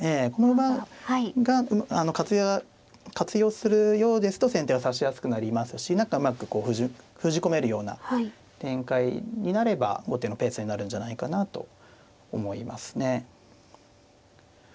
この馬が活用するようですと先手は指しやすくなりますし何かうまくこう封じ込めるような展開になれば後手のペースになるんじゃないかなと思いますね。